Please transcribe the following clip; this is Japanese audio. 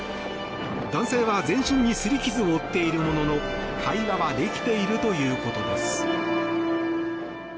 男性は全身にすり傷を負っているものの会話はできているということです。